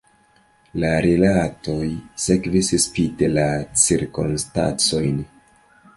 La rilatoj sekvis, spite la cirkonstancojn.